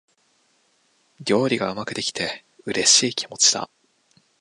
料理がうまくできて、嬉しい気持ちだ。